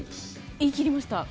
言い切りました。